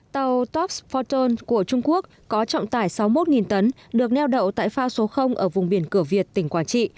tàu tops forton của trung quốc có trọng tải sáu mươi một tấn được neo đậu tại phao số ở vùng biển cửa việt tỉnh quảng trị